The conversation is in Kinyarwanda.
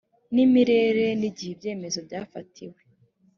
n imimerere n igihe ibyemezo byafatiwe